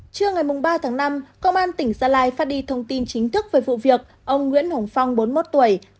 trưa ngày ba tháng năm công an tỉnh gia lai phát đi thông tin chính thức về vụ việc ông nguyễn hồng phong bốn mươi một tuổi